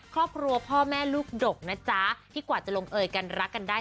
ครอบครัวพ่อแม่ลูกดกนะจ๊ะที่กว่าจะลงเอยกันรักกันได้